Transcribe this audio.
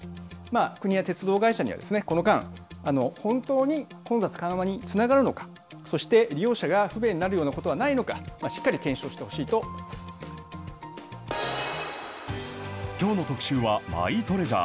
国や鉄道会社にはこの間、本当に混雑緩和につながるのか、そして利用者が不便になるようなことはないのか、しっかり検証しきょうの特集はマイトレジャー。